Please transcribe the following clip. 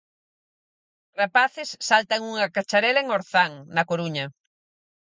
Rapaces saltan unha cacharela en Orzán, na Coruña.